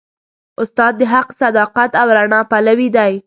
استاد د حق، صداقت او رڼا پلوي دی.